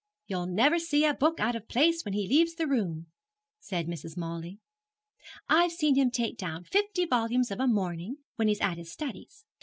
'You'll never see a book out of place when he leaves the room,' said Mrs. Mawley. 'I've seen him take down fifty volumes of a morning, when he's at his studies.